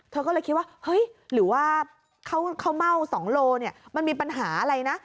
เธอก็เลยคิดว่าเฮ้ยหรือว่าข้าวเม่า๒โลเนี่ยมันมีปัญหาอะไรนะ